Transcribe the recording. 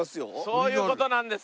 そういう事なんです。